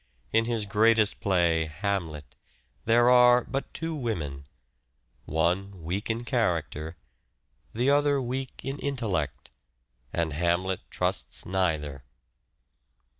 In his greatest play, " Hamlet," there are but two women ; one weak in character, the other weak in intellect, and Hamlet trusts neither.